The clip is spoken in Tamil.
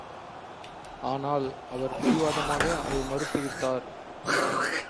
ஆனால் அவர் பிடிவாதமாக அதை மறுத்து விட்டார்.